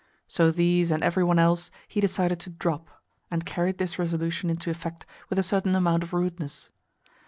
So these and every one else he decided to "drop," and carried this resolution into effect with a certain amount of rudeness.